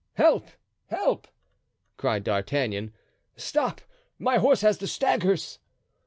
"Help! help!" cried D'Artagnan; "stop—my horse has the staggers."